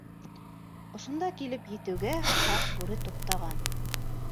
Ошонда килеп етеүгә, ҡарт бүре туҡтаған.